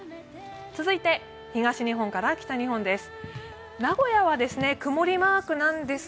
続いて東日本から北日本です。